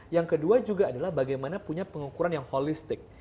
yang kedua juga adalah bagaimana punya pengukuran yang holistik